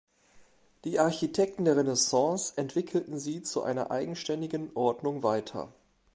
Die Architekten der Renaissance entwickelten sie zu einer eigenständigen Ordnung weiter.